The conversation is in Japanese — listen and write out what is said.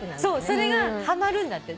それがはまるんだって。